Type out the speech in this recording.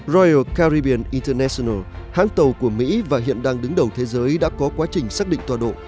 royal caribbean international hãng tàu của mỹ và hiện đang đứng đầu thế giới đã có quá trình xác định toà độ